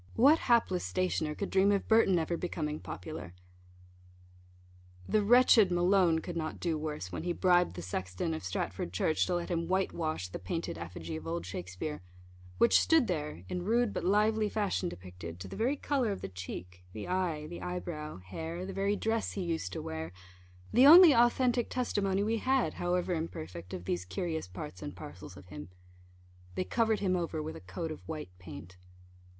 what hapless stationer could dream of Burton ever becoming popular? The wretched Malone could not do worse, when he bribed the sexton of Stratford church to let him white wash the painted effigy of old Shakspeare, which stood there, in rude but lively fashion depicted, to the very colour of the cheek, the eye, the eye brow, hair, the very dress he used to wear the only authentic testimony we had, however imperfect, of these curious parts and parcels of him. They covered him over with a coat of white paint.